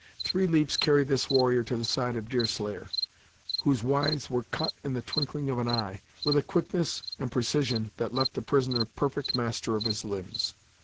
Three leaps carried this warrior to the side of Deerslayer, whose withes were cut in the twinkling of an eye, with a quickness and precision that left the prisoner perfect master of his limbs.